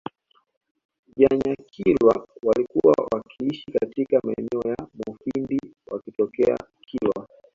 Vanyakilwa walikuwa wakiishi katika maeneo ya Mufindi wakitokea Kilwa